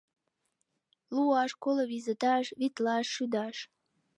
Луаш, коло визыташ, витлаш, шӱдаш.